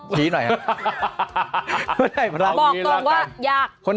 บอกตรงว่าอยาก